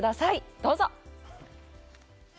どうぞ！